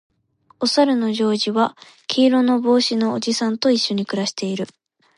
おさるのジョージは黄色の帽子のおじさんと一緒に暮らしている